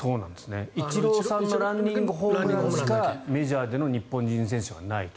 イチローさんのランニングホームランしかメジャーでの日本人選手はないと。